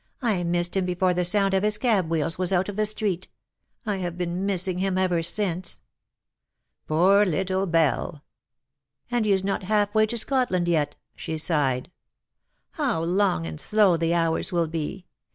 " I missed him before the sound of his cab wheels was out of the street. I have been missing him ever since." " Poor little Belle !" "And he is not half way to Scotland yet/' she sighed. " How long and slow the hours will be.